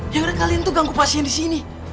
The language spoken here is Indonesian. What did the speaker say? yang ada kalian tuh ganggu pasien disini